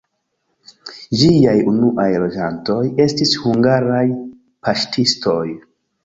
Ĝiaj unuaj loĝantoj estis hungaraj paŝtistoj.